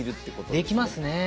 できますね。